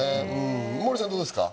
モーリーさんどうですか？